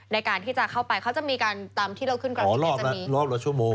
ในการที่จะเข้าไปเขาจะมีการตามที่เราขึ้นกราฟิกันจะมี